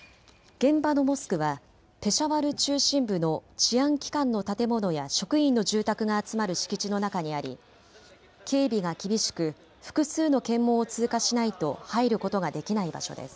現場のモスクはペシャワル中心部の治安機関の建物や職員の住宅が集まる敷地の中にあり警備が厳しく複数の検問を通過しないと入ることができない場所です。